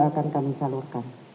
akan kami salurkan